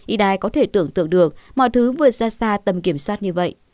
y đai có thể tưởng tượng được mọi thứ vượt ra xa tầm kiểm soát như vậy